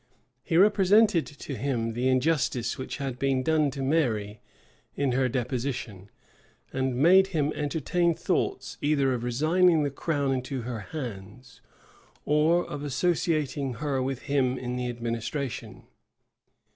He represented to him the injustice which had been done to Mary in her deposition, and made him entertain thoughts either of resigning the crown into her hands, or of associating her with him in the administration.